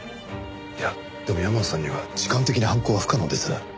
いやでも山野さんには時間的に犯行は不可能です。